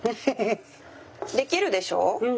できるでしょう？